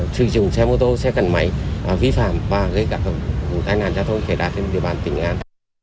sử dụng xe mô tô xe cần máy vi phạm và gây tài nạn giao thông khai đạt trên địa bàn tỉnh nghệ an